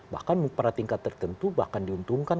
bahkan pada tingkat tertentu bahkan diuntungkan